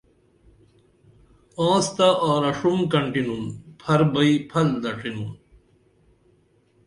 آنستہ آرہ ݜم کنٹنُن پھر بئی پھل دڇھنُن